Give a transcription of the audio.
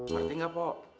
ngerti gak pok